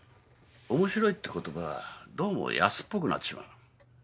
おもしろいって言葉はどうも安っぽくなってしまう。